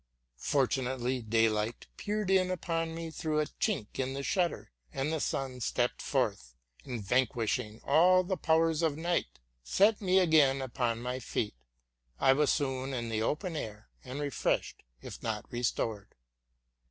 Fortunately daylight peered in upon me through a chink in the shutter; and the sun, vanquishing all the powers of night, set me again upon my feet: I was soon in the open air, and refreshed, if not restored.